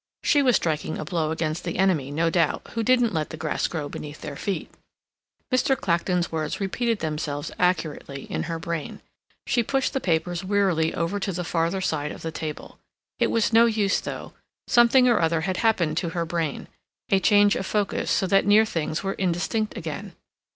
She was striking a blow against the enemy, no doubt, who didn't let the grass grow beneath their feet. Mr. Clacton's words repeated themselves accurately in her brain. She pushed the papers wearily over to the farther side of the table. It was no use, though; something or other had happened to her brain—a change of focus so that near things were indistinct again.